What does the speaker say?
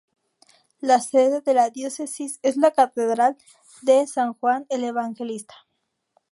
La sede de la Diócesis es la Catedral de San Juan el Evangelista.